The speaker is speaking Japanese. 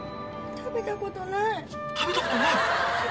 食べたことない。